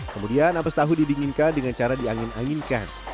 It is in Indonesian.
kemudian ampas tahu didinginkan dengan cara diangin anginkan